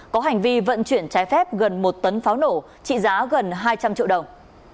có hành vi vận chuyển trái phép gần một tấn pháo nổ trị giá gần hai trăm linh triệu đồng